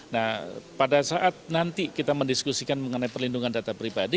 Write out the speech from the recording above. nah pada saat nanti kita mendiskusikan mengenai perlindungan data pribadi